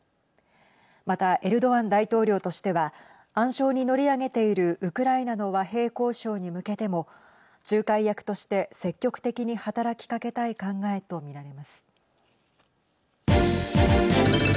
また、エルドアン大統領としては暗礁に乗り上げているウクライナの和平交渉に向けても仲介役として積極的に働きかけたい考えと見られます。